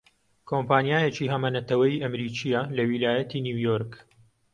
کۆمپانیایەکی هەمەنەتەوەیی ئەمریکییە لە ویلایەتی نیویۆرک